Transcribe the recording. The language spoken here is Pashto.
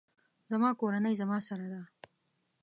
زما کورنۍ زما سره ده